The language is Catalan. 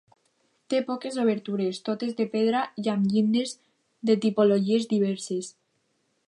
Té poques obertures, totes de pedra i amb llindes de tipologies diverses.